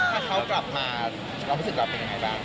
ถ้าเขากลับมาเรารู้สึกเราเป็นยังไงบ้าง